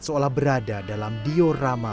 seolah berada dalam diorama